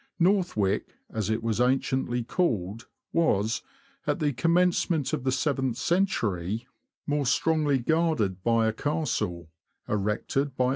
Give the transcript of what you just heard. Northwic, as it was anciently called, was, at the commencement of the seventh century, more strongly guarded by a Castle, erected by A RAMBLE THROUGH NORWICH.